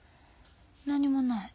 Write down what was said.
何にもない。